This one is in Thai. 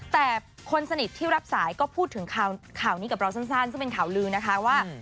แต่คนสนิทที่รับสายก็พูดถึงข่าวนี้กับเราสั้นซึ่งเป็นข่าวลือนะคะว่า